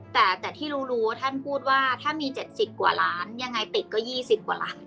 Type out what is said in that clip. แต่ที่รู้ท่านพูดว่าถ้ามี๗๐กว่าล้านยังไงติดก็๒๐กว่าล้าน